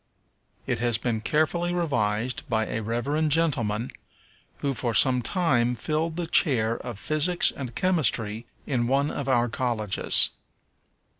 It has been carefully revised by a Reverend gentleman, who for some time filled the chair of Physics and Chemistry in one of our colleges.